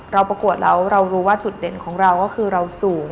ประกวดแล้วเรารู้ว่าจุดเด่นของเราก็คือเราสูบ